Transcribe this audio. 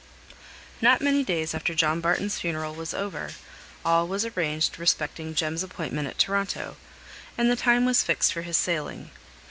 Not many days after John Barton's funeral was over, all was arranged respecting Jem's appointment at Toronto; and the time was fixed for his sailing.